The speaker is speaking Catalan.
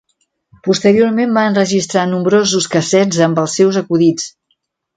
Posteriorment va enregistrar nombrosos cassets amb els seus acudits.